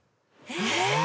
えっ！？